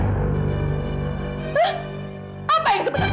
menurut kamu apa yang sebenarnya